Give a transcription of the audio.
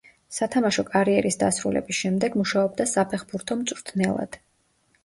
სათამაშო კარიერის დასრულების შემდეგ მუშაობდა საფეხბურთო მწვრთნელად.